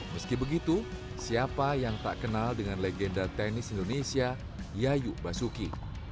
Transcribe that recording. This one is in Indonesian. meski begitu siapa yang tak kenal dengan legenda tenis indonesia yayu basuki